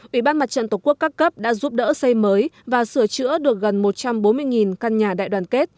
ủy ban mặt trận tổ quốc các cấp đã giúp đỡ xây mới và sửa chữa được gần một trăm bốn mươi căn nhà đại đoàn kết